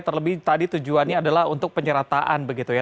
terlebih tadi tujuannya adalah untuk penyerataan begitu ya